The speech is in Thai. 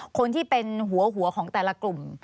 คนที่เป็นหัวหัวของแต่ละกลุ่ม